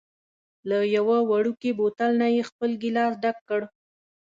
له یوه وړوکي بوتل نه یې خپل ګېلاس ډک کړ.